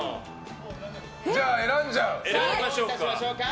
じゃあ、選んじゃう。